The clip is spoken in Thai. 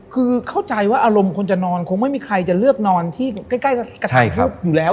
คือเข้าใจว่าอารมณ์คนจะนอนคงไม่มีใครจะเลือกนอนที่ใกล้อยู่แล้ว